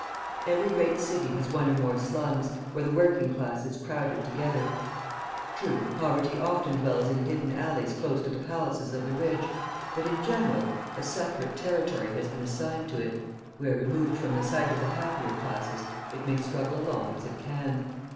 Every great city has one or more slums, where the working class is crowded together. True, poverty often dwells in hidden alleys close to the palaces of the rich; but, in general, a separate territory has been assigned to it, where, removed from the sight of the happier classes, it may struggle along as it can.